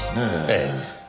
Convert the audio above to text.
ええ。